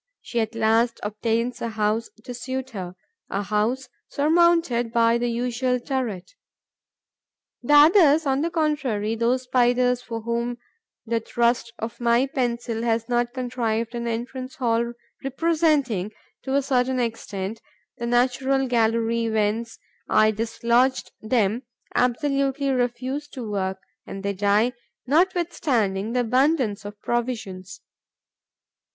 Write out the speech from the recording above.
She at last obtains a house to suit her, a house surmounted by the usual turret. The others, on the contrary, those Spiders for whom the thrust of my pencil has not contrived an entrance hall representing, to a certain extent, the natural gallery whence I dislodged them, absolutely refuse to work; and they die, notwithstanding the abundance of provisions.